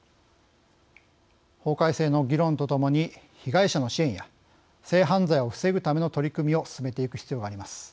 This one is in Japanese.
法改正の議論とともに被害者の支援や性犯罪を防ぐための取り組みを進めていく必要があります。